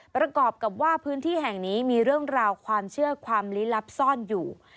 ประกอบกับว่าพื้นที่แห่งนี้มีเรื่องราวความเชื่อความลี้ลับซ่อนอยู่